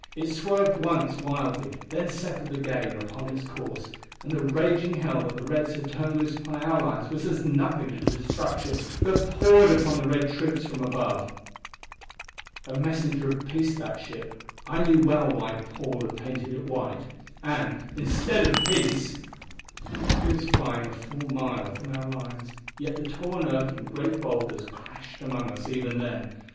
It swerved once wildly, then settled again upon its course, and the raging hell that the Reds had turned loose upon our lines was as nothing to the destruction that poured upon the Red troops from above. A messenger of peace, that ship; I knew well why Paul had painted it white. And, instead of peace ! He was flying a full mile from our lines, yet the torn earth and great boulders crashed among us even then.